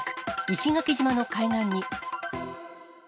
石垣島の海岸に。